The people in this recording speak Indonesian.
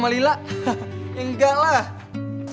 nanti gue jalan